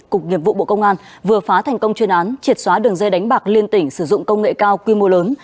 cục nghiệp vụ bộ công an vừa phá thành công chuyên án triệt xóa đường dây đánh bạc liên tỉnh sử dụng công nghệ cao quy mô lớn